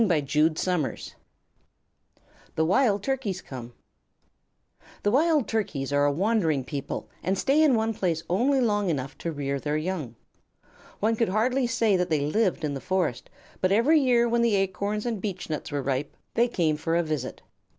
THE WILD TURKEYS COME The Wild Turkeys are a wandering people, and stay in one place only long enough to rear their young. One could hardly say that they lived in the Forest, but every year when the acorns and beechnuts were ripe, they came for a visit.